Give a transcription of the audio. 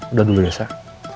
udah dulu ya sak